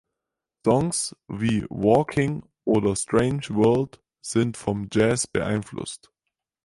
Songs wie "Walking" oder "Strange World" sind vom Jazz beeinflusst.